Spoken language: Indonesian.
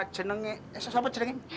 cenengnya siapa cenengin